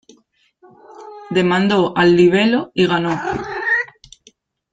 Demandó al libelo y ganó.